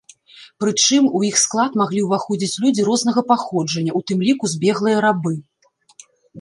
Прычым, у іх склад маглі ўваходзіць людзі рознага паходжання, у тым ліку збеглыя рабы.